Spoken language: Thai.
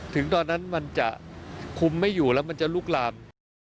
ถึงตอนนั้นมันจะคุมไม่อยู่แล้วมันจะลุกลาม